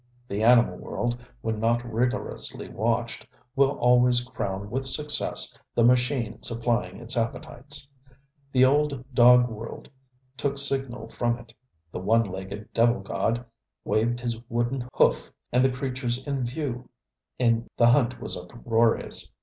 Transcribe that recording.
The animal world, when not rigorously watched, will always crown with success the machine supplying its appetites. The old dog world took signal from it. The one legged devil god waved his wooden hoof, and the creatures in view, the hunt was uproarious.